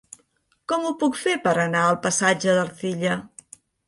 Com ho puc fer per anar al passatge d'Ercilla?